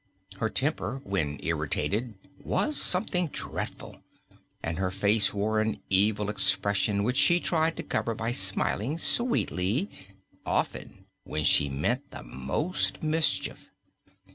Her temper, when irritated, was something dreadful, and her face wore an evil expression which she tried to cover by smiling sweetly often when she meant the most mischief.